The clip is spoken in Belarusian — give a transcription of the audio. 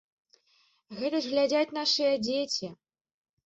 Гэта ж глядзяць нашыя дзеці.